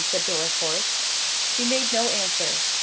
said Dorriforth. She made no answer.